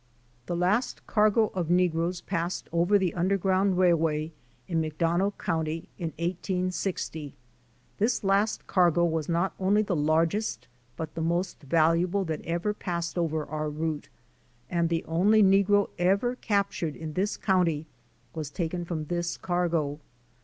The last cargo of negroes passed over the Undergroimd Railway in McDonough county in 1860. This last cargo was not only the largest but the most valuable that ever passed over our route, and the only negro ever captured in this county was taken from this cargo.